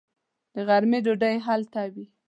د غرمې ډوډۍ یې هلته وي.